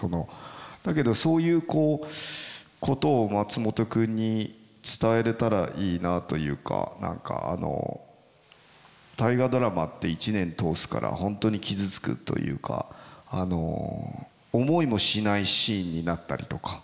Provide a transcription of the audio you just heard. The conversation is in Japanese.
だけどそういうことを松本君に伝えれたらいいなあというか何かあの「大河ドラマ」って１年通すから本当に傷つくというか思いもしないシーンになったりとか。